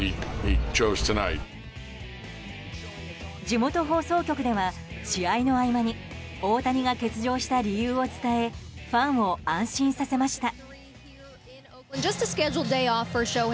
地元放送局では試合の合間に大谷が欠場した理由を伝えファンを安心させました。